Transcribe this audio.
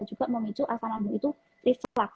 juga memicu asal lambung itu reflux